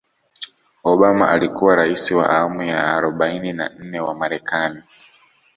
obama alikuwa raisi wa awamu ya arobaini na nne wa marekani